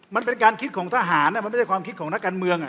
มันเป็นการคิดของทหารมันไม่ใช่ความคิดของนักการเมือง